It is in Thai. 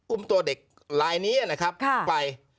อุ้มตัวเด็กลายนี้นะครับไป